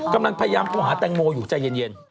กำลังพยายามโทรหาแตงโมอยู่ใจเย็น